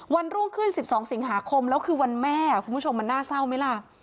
วันรุ่งขึ้น๑๒สิงหาคมแล้วคือวันแม่คุณผู้ชมมันน่าเศร้าไหมล่ะ